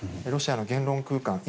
ロシアの言論空間